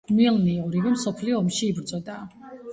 მილნი ორივე მსოფლიო ომში იბრძოდა.